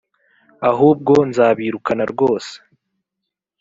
ahubwo nzabirukana rwose.